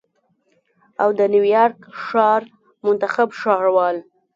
او د نیویارک ښار منتخب ښاروال